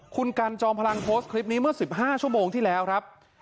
คุณกันจอมพลังโพสต์คลิปนี้เมื่อ๑๕ชั่วโมงที่แล้วครับ